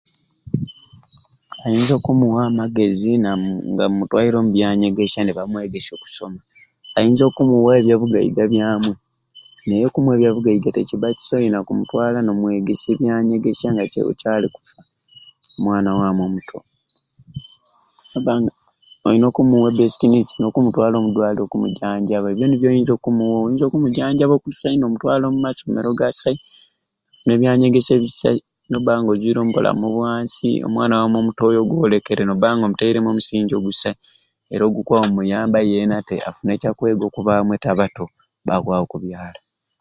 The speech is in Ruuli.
Oyinza okumuwa amagezi na nga omutwaire omu byanyegesya ne bamwegesya oyiza okumuwa ebyabugaiga byamwei naye okumuwa ebyabugaiga tekiba kisai oyina kumutwala omwegesye ebyanyegesya omwana wamu omuto naba nga oyina okumuwa e basic needs no kumutwala omudwaliro ebyo nibyo byoyinza okumuwa okumujjanjjaba okusai nomutwala omu masomero agasai ne byanyegesya ebisai noba nga obwire omu bulamu bwansi omwana wamu oyo omuto gwoba olekere noba nga omuteremu omusingi ogusai era okukwaba yena te afune ekyakwega oku bamwei abato bakwaba okubyala